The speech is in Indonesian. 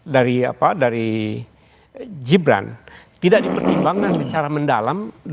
dari gibran tidak dipertimbangkan secara mendalam